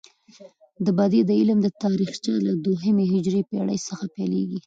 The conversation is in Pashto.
د بدیع د علم تاریخچه له دوهمې هجري پیړۍ څخه پيلیږي.